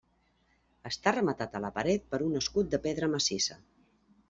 Està rematat a la paret per un escut de pedra massissa.